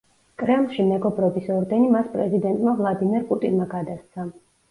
კრემლში მეგობრობის ორდენი მას პრეზიდენტმა ვლადიმერ პუტინმა გადასცა.